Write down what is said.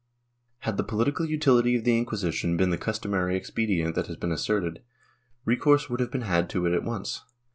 Had the political utility of the Inquisition been the customary expedient that has been asserted, recourse would have been had to it at once.